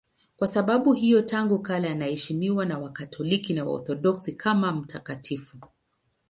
Kwa sababu hiyo tangu kale anaheshimiwa na Wakatoliki na Waorthodoksi kama mtakatifu.